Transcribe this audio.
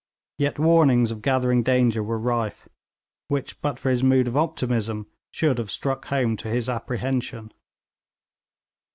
Yet warnings of gathering danger were rife, which but for his mood of optimism should have struck home to his apprehension.